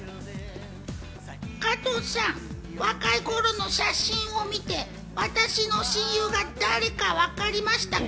加藤さん、若い頃の写真を見て私の親友が誰か分かりましたか？